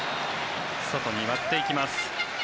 外に割っていきます。